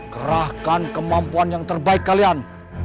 kerahkan kemampuan yang terbaik kalian